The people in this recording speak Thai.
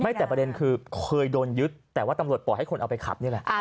แต่ประเด็นคือเคยโดนยึดแต่ว่าตำรวจปล่อยให้คนเอาไปขับนี่แหละ